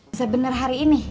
bisa bener hari ini